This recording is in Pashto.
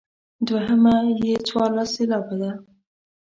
دوهمه یې څوارلس سېلابه ده.